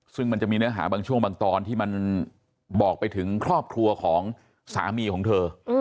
ซึ่งมันจะมีเนื้อหาบางช่วงบางตอนที่มันบอกไปถึงครอบครัวของสามีของเธอ